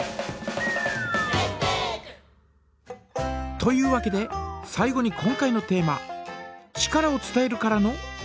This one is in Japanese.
というわけで最後に今回のテーマ「力を伝える」からのクエスチョン！